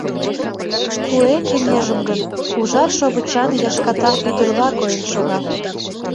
Куэ кеҥежым гын ужар шовычан яшката ӱдырла койын шога.